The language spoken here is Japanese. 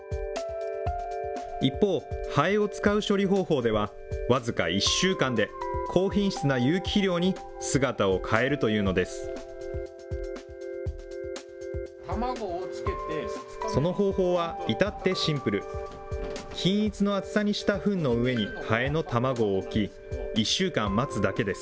一方、ハエを使う処理方法では、僅か１週間で、高品質な有機肥料に姿を変えるというのです。